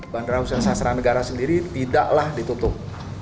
bandara hussein sasranegara sendiri tidaklah ditutup